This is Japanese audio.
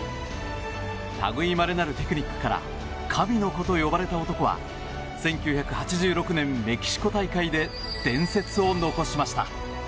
類いまれなるテクニックから神の子と呼ばれた男は１９８６年メキシコ大会で伝説を残しました。